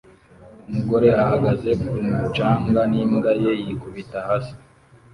Umugore ahagaze ku mucanga n'imbwa ye yikubita hasi